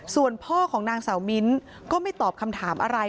ส่วนพ่อของนางสาวมิ้นก็ไม่ตอบคำถามอะไร